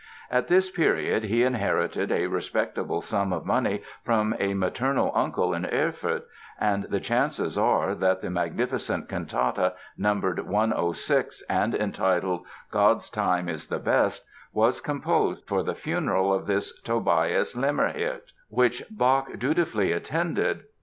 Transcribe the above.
At this period he inherited a respectable sum of money from a maternal uncle in Erfurt, and the chances are that the magnificent cantata numbered 106 and entitled God's Time is the Best, was composed for the funeral of this Tobias Lämmerhirt, which Bach dutifully attended.